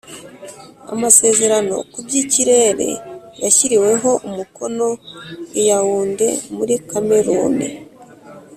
Amasezerano ku by’ikirere yashyiriweho umukono i Yaounde muri Kameruni